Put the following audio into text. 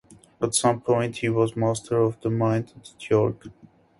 At some point he was master of the mint at York.